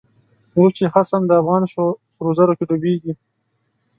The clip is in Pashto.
اوس چه خصم دافغان شو، په سرو زرو کی ډوبیږی